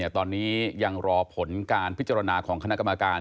ตอนนี้ยังรอผลการพิจารณาของคณะกรรมการ